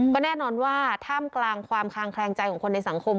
ก็แน่นอนว่าท่ามกลางความคางแคลงใจของคนในสังคม